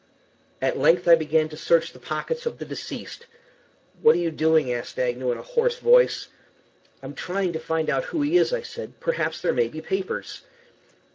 At length I began to search the pockets of the deceased. "What are you doing?" asked Agnew, in a hoarse voice. "I'm trying to find out who he is," I said. "Perhaps there may be papers."